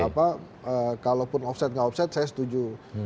kalau kalau pun offset gak offset saya setuju